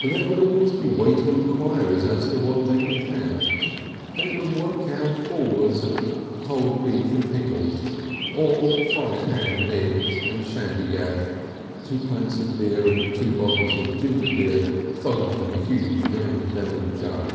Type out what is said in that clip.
There would always be weighty enquiries as to what they could have, and it would work out always at cold beef and pickles, or fried ham and eggs and shandygaff, two pints of beer and two bottles of ginger beer foaming in a huge round bellied jug.